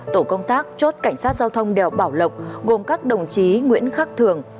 tổ công tác chốt cảnh sát giao thông đèo bảo lộc gồm các đồng chí nguyễn khắc thường